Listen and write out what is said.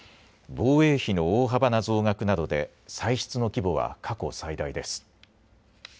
防衛費の大幅な増額などで歳出の規模は過去最大です。